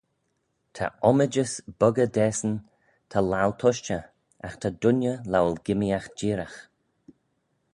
Ta ommijys boggey dasyn ta laccal tushtey: agh ta dooinney lowal gimmeeaght jeeragh.